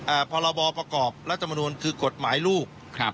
พรบประกอบรัฐมนุนคือกฎหมายลูกครับ